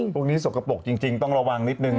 พวกนี้สกปรกจริงต้องระวังนิดนึง